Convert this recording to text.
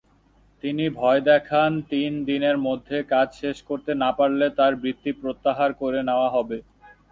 তিনি ভয় দেখান তিন দিনের মধ্যে কাজ শেষ করতে না পারলে তার বৃত্তি প্রত্যাহার করে নেওয়া হবে।